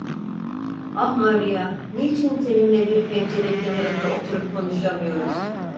Ah Maria, niçin seninle bir pencere kenarında oturup konuşamıyoruz?